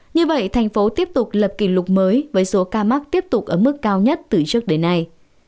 như vậy thành phố tiếp tục lập kỷ lục mới với số ca mắc tiếp tục ở mức cao nhất từ trước đến nay